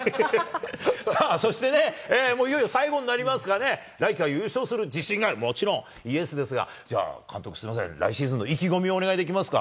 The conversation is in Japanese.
さあ、そしていよいよ最後になりますがね、来季は優勝する自信がある、もちろんＹＥＳですが、監督、すみません、来シーズンの意気込みをお願いできますか？